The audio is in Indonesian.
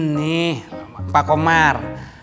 nih pak komar